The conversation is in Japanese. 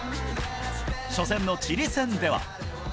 初戦のチリ戦では。